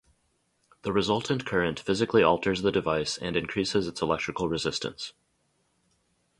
The resultant current physically alters the device and increases its electrical resistance.